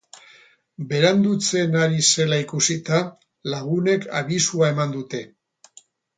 Berandutzen ari zela ikusita, lagunek abisua eman dute.